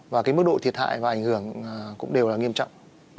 và mức độ thiệt hại và ảnh hưởng cũng đều nghiêm trọng